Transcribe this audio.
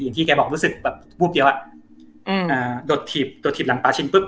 อย่างที่แกบอกรู้สึกแบบอืมอ่าโดดถีบโดดถีบหลังปลาชินปุ๊บ